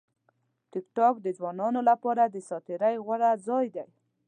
ټیکټاک د ځوانانو لپاره د ساعت تېري غوره ځای دی.